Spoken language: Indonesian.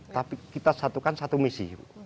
tapi kita satukan satu misi